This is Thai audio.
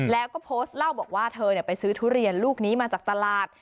แล้วก็โพสต์เล่าบอกว่าเธอไปซื้อทุเรียนลูกนี้มาจากตลาด